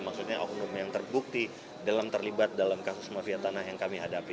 maksudnya oknum yang terbukti dalam terlibat dalam kasus mafia tanah yang kami hadapi